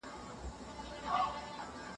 د ماشوم د تبه پر مهال جامې سپکې کړئ.